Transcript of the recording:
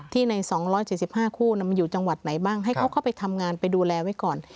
ใน๒๗๕คู่มันอยู่จังหวัดไหนบ้างให้เขาเข้าไปทำงานไปดูแลไว้ก่อน